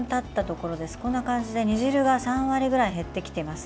こんな感じで、煮汁が３割ぐらい減ってきています。